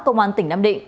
công an tỉnh nam định